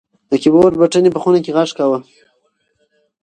د کیبورډ بټنې په خونه کې غږ کاوه.